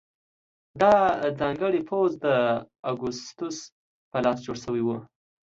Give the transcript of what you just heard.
دا ځانګړی پوځ د اګوستوس په لاس جوړ شوی و